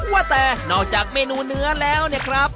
ว่าแต่นอกจากเมนูเนื้อแล้วเนี่ยครับ